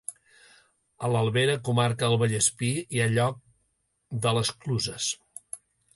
A l'Albera, comarca del Vallespir, hi ha el lloc de les Cluses.